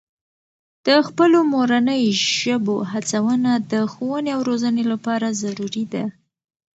د خپلو مورنۍ ژبو هڅونه د ښوونې او روزنې لپاره ضروري ده.